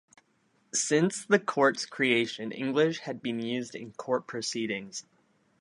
Since the courts' creation, English had been used in court proceedings.